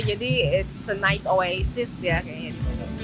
jadi it's a nice oasis ya kayaknya di sini